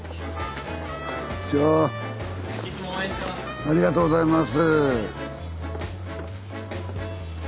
ありがとうございます。